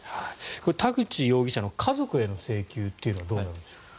田口容疑者の家族への請求というのはどうなんでしょう？